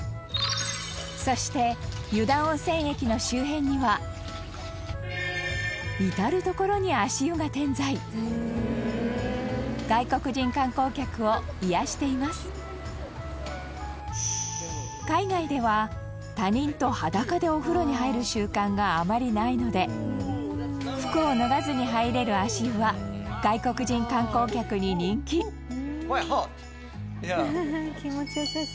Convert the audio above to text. そして、湯田温泉駅の周辺には至る所に足湯が点在外国人観光客を癒やしています海外では、他人と裸でお風呂に入る習慣があまりないので服を脱がずに入れる足湯は外国人観光客に人気羽田：気持ち良さそう。